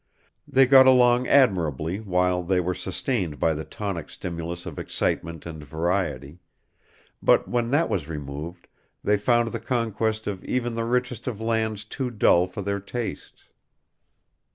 They got along admirably while they were sustained by the tonic stimulus of excitement and variety; but when that was removed, they found the conquest of even the richest of lands too dull for their tastes.